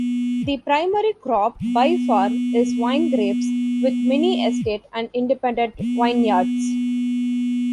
The primary crop by far is winegrapes, with many estate and independent vineyards.